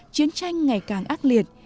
chiến tranh ngày càng ác liệt